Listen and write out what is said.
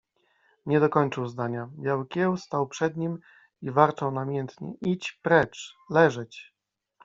Nie dokończył zdania. Biały Kieł stał przed nim i warczał namiętnie. - Idź precz! Leżeć! -